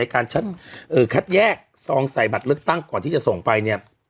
การคัดแยกซองใส่บัตรเลือกตั้งก่อนที่จะส่งไปเนี่ย